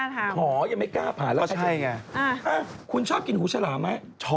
ตั้ง๘นาทีชินทรารกิจ